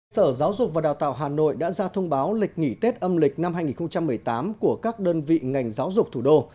sở giáo dục và đào tạo hà nội đã ra thông báo lịch nghỉ tết âm lịch năm hai nghìn một mươi tám của các đơn vị ngành giáo dục thủ đô